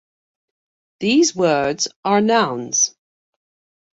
These words are nouns.